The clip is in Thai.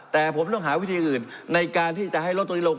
แต่ผมต้องหาวิธีอื่นในการที่จะให้ลดตรงนี้ลง